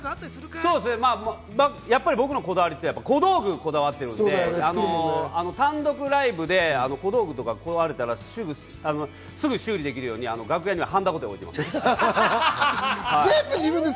僕のこだわりは小道具にこだわってるので、単独ライブで小道具とかこだわるから、すぐ修理できるように楽屋にははんだごてを置いてます。